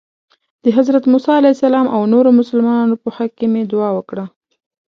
د حضرت موسی او نورو مسلمانانو په حق کې مې دعا وکړه.